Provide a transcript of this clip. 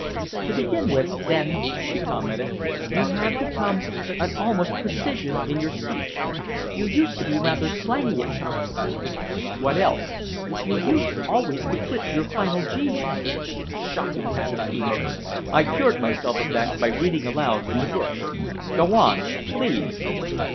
"To begin with, then," she commented, "you have become almost a precisian in your speech. You used to be rather slangy at times." "What else?" "You used always to clip your final g's." "Shocking habit," he murmured. "I cured myself of that by reading aloud in the bush. Go on, please?"